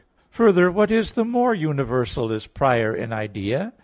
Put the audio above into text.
3: Further, what is the more universal is prior in idea.